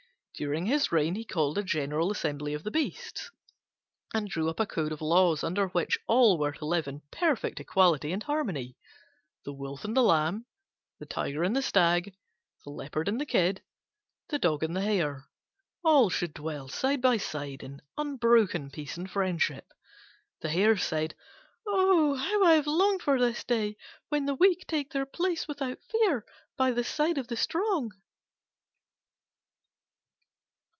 During his reign he called a general assembly of the beasts, and drew up a code of laws under which all were to live in perfect equality and harmony: the wolf and the lamb, the tiger and the stag, the leopard and the kid, the dog and the hare, all should dwell side by side in unbroken peace and friendship. The hare said, "Oh! how I have longed for this day when the weak take their place without fear by the side of the strong!"